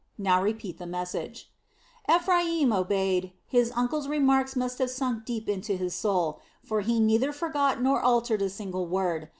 Now repeat the message." Ephraim obeyed; his uncle's remarks must have sunk deep into his soul; for he neither forgot nor altered a single word.